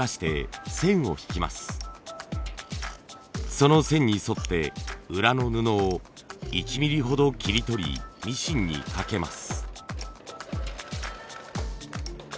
その線に沿って裏の布を１ミリほど切り取りミシンにかけます。